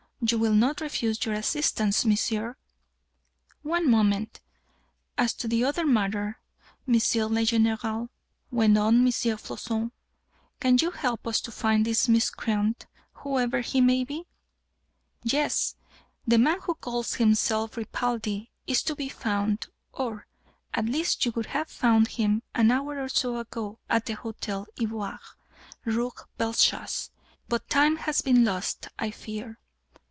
You will not refuse your assistance, monsieur?" "One moment. As to the other matter, M. le General?" went on M. Floçon. "Can you help us to find this miscreant, whoever he may be?" "Yes. The man who calls himself Ripaldi is to be found or, at least, you would have found him an hour or so ago at the Hotel Ivoire, Rue Bellechasse. But time has been lost, I fear."